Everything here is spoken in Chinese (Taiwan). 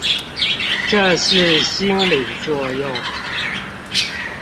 這是心理作用